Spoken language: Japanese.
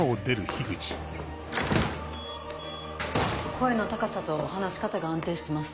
声の高さと話し方が安定してます。